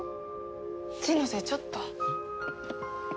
一ノ瀬ちょっと。